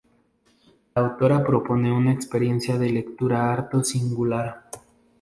La autora propone una experiencia de lectura harto singular.